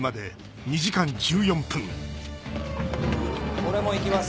俺も行きます。